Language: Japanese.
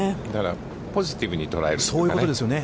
ポジティブに捉えるというかね。